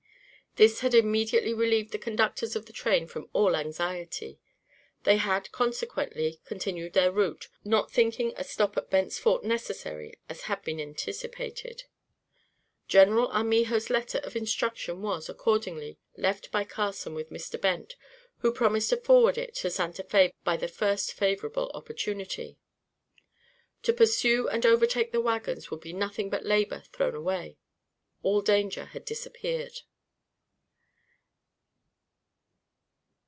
This had immediately relieved the conductors of the train from all anxiety. They had, consequently, continued their route, not thinking a stop at Bent's Fort necessary as had been anticipated. Gen. Armijo's letter of instruction was, accordingly, left by Carson with Mr. Bent who promised to forward it to Santa Fé by the first favorable opportunity. To pursue and overtake the wagons would be nothing but labor thrown away. All danger had disappeared.